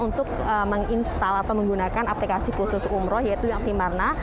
untuk menginstal atau menggunakan aplikasi khusus umroh yaitu yang timarna